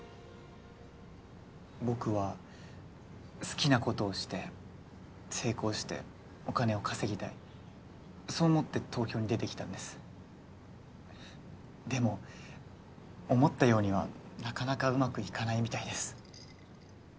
僕は好きなことをして成功してお金を稼ぎたいそう思って東京に出てきたんですでも思ったようにはなかなかうまくいかないみたいです